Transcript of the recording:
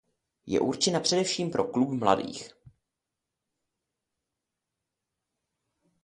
Je určena především pro "Klub mladých".